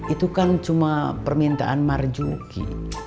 itu kan cuma permintaan marzuki